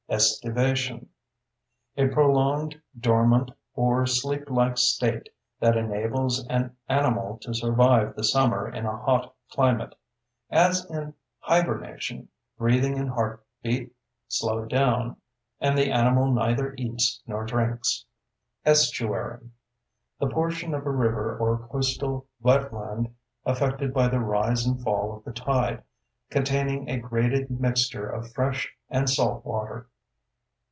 ESTIVATION: A prolonged dormant or sleeplike state that enables an animal to survive the summer in a hot climate. As in hibernation, breathing and heartbeat slow down, and the animal neither eats nor drinks. ESTUARY: The portion of a river or coastal wetland affected by the rise and fall of the tide, containing a graded mixture of fresh and salt water.